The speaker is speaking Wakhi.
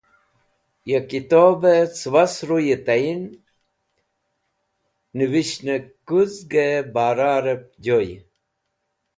Ya kitobẽ cẽbas ruye tayin nẽvishnẽkũzgẽ baraẽb joy.